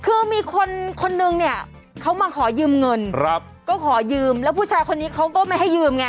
คือมีคนคนนึงเนี่ยเขามาขอยืมเงินก็ขอยืมแล้วผู้ชายคนนี้เขาก็ไม่ให้ยืมไง